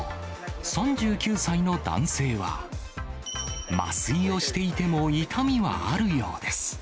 ３９歳の男性は、麻酔をしていても痛みはあるようです。